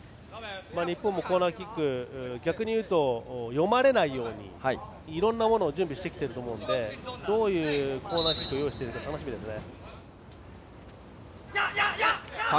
日本もコーナーキック逆に言うと読まれないようにいろんなものを準備していると思うのでどういうコーナーキックを用意しているのか楽しみですね。